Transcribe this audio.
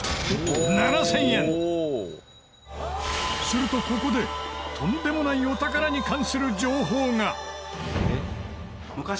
するとここでとんでもないお宝に関する情報が！